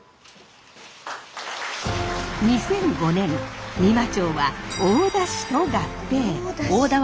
２００５年仁摩町は大田市と合併。